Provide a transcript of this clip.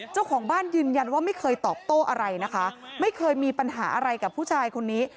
เจ้าของบ้านยืนยันว่าไม่เคยตอบโต้อะไรนะคะไม่เคยมีปัญหาอะไรกับผู้ชายคนนี้